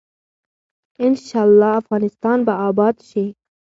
ان شاء الله افغانستان به اباد شي.